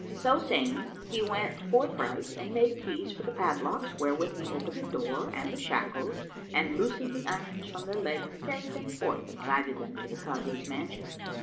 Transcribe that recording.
So saying, he went forthright and made keys for the padlocks, wherewith he opened the door and the shackles, and loosing the irons from their legs, carried them forth and guided them to the Kazi's mansion.